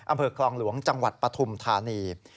อำเภอคลองหลวงจังหวัดปฐุมธานี